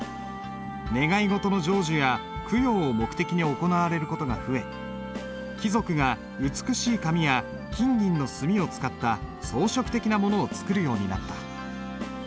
願い事の成就や供養を目的に行われる事が増え貴族が美しい紙や金銀の墨を使った装飾的なものを作るようになった。